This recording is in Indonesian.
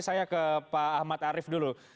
saya ke pak ahmad arief dulu